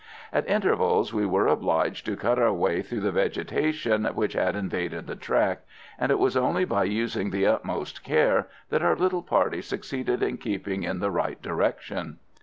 At intervals we were obliged to cut our way through the vegetation which had invaded the track, and it was only by using the utmost care that our little party succeeded in keeping in the right direction.